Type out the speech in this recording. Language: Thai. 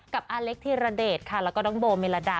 กับอเล็กทีรเดชแล้วก็โบเมลาดา